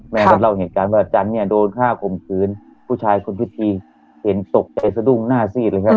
แม่ก็เล่าเหตุการณ์ว่าอาจารย์เนี่ยโดนฆ่าข่มขืนผู้ชายคุณพิธีเห็นตกใจสะดุ้งหน้าซีดเลยครับ